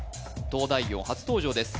「東大王」初登場です